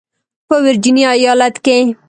په ورجینیا ایالت کې